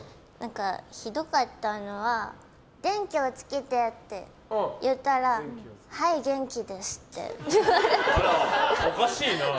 ひどかったのは電気をつけてって言ったらはい元気ですって言われて。